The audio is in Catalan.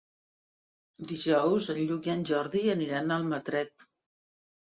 Dijous en Lluc i en Jordi aniran a Almatret.